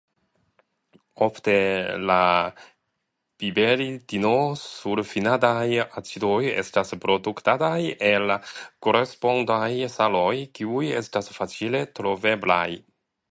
Ofte la piperidinosulfinataj acidoj estas produktataj el la korespondaj saloj kiuj estas facile troveblaj.